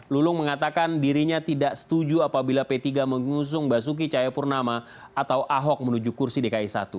lulung mengatakan dirinya tidak setuju apabila p tiga mengusung basuki cahayapurnama atau ahok menuju kursi dki satu